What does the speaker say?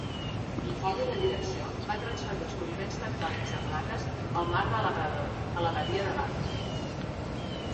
La falla de direcció va transferir els moviments tectònics de plaques al mar de Labrador, a la badia de Baffin.